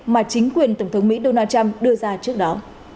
mà chính quyền tổng thống mỹ donald trump đưa ra trước đó